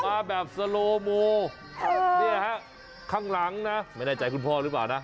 มาแบบสโลโมเนี่ยฮะข้างหลังนะไม่แน่ใจคุณพ่อหรือเปล่านะ